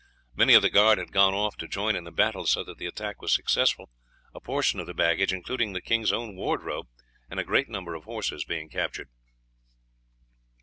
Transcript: Many of the guard had gone off to join in the battle, so that the attack was successful, a portion of the baggage, including the king's own wardrobe, and a great number of horses being captured.